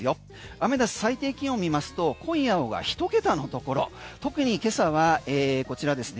アメダス最低気温を見ますと今夜は１桁のところ特に今朝はこちらですね